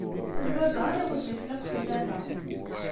D baba ay ɣezzifen akk fell-aneɣ.